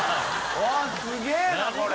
△すげぇなこれ！